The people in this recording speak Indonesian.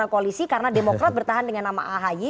karena koalisi karena demokrat bertahan dengan nama ahy